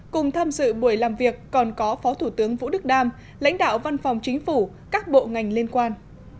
cùng tham dự buổi làm việc còn có phó thủ tướng vũ đức đam lãnh đạo văn phòng chính phủ các bộ ngành liên quan